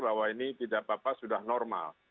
bahwa ini tidak apa apa sudah normal